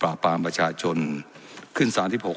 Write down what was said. และยังเป็นประธานกรรมการอีก